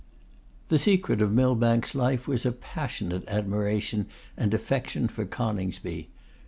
The secret of Millbank's life was a passionate admiration and affection for Coningsby.